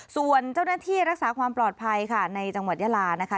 ส่วนเจ้าหน้าที่รักษาความปลอดภัยค่ะในจังหวัดยาลานะคะ